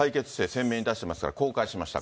鮮明に出してますから、公開しました。